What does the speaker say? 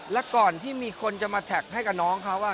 แล้วก่อนที่มีคนจะมาแท็กให้กับน้องเขา